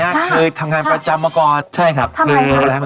คุณเจนี่ฮะคือทำแขนประจำมาก่อนใช่ครับทำอะไรนะ